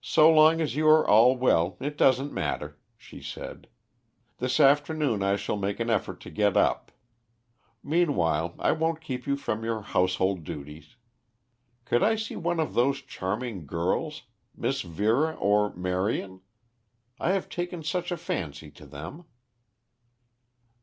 "So long as you are all well it doesn't matter," she said. "This afternoon I shall make an effort to get up. Meanwhile, I won't keep you from your household duties. Could I see one of those charming girls, Miss Vera or Marion? I have taken such a fancy to them."